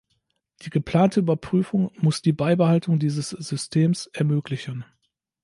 Die geplante Überprüfung muss die Beibehaltung dieses Systems ermöglichen.